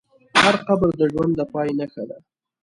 هر قبر د ژوند د پای نښه ده.